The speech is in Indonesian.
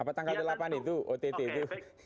apa tanggal delapan itu ott itu